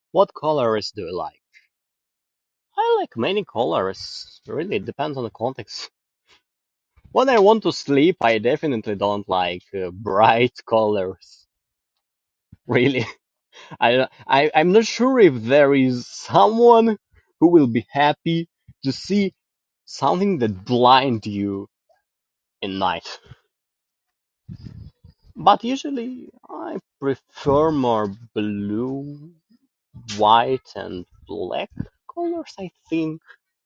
What colours do you like? I like many colours, it really depends on the context. When I want to sleep I definitely don't like, uh, bright colours. Really... I, uh, I, I'm not sure if there is someone who will be happy to see something that blind you in night. But usually I prefer more blue, white, and black colours I think...